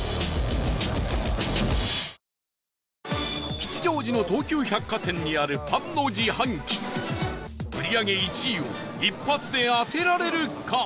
吉祥寺の東急百貨店にあるパンの自販機売り上げ１位を一発で当てられるか？